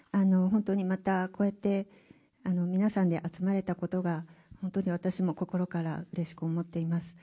本当にまたこうやって皆さんで集まれたことが私も心からうれしく思っています。